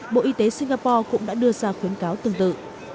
bộ y tế singapore cũng đã đưa ra khuyến cáo tương tự